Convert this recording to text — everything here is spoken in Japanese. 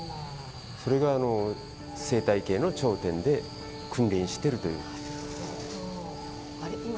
それが生態系の頂点に君臨しているという。